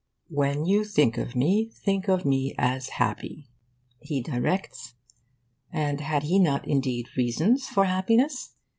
'When you think of me, think of me as happy,' he directs. And had he not indeed reasons for happiness?